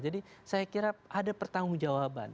jadi saya kira ada pertanggung jawaban